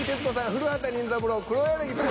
古畑任三郎黒柳さん。